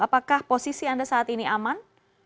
apakah posisi anda saat ini aman